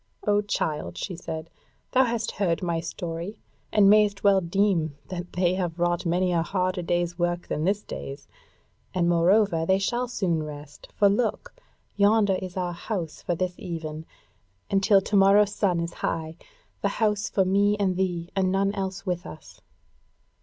"O child," she said, "thou hast heard my story, and mayst well deem that they have wrought many a harder day's work than this day's. And moreover they shall soon rest; for look! yonder is our house for this even, and till to morrow's sun is high: the house for me and thee and none else with us."